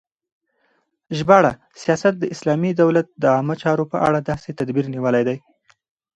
ژباړه : سیاست د اسلامی دولت د عامه چارو په اړه داسی تدبیر نیول دی